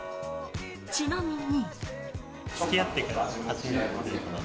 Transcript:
ちなみに。